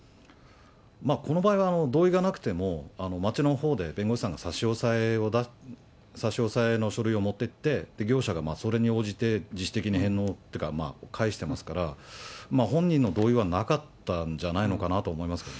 この場合は同意がなくても、町のほうで弁護士さんが差し押さえの書類を持ってって、業者がそれに応じて自主的に返納というか、返してますから、本人の同意はなかったんじゃないのかなと思いますね。